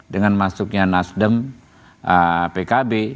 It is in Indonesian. dengan masuknya nasdem pkb